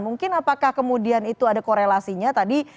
mungkin apakah kemudian itu ada korelasinya tadi